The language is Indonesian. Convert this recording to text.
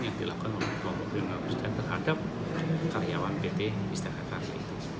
yang dilakukan oleh komunikasi pembangunan rakyat terhadap karyawan pt istana kari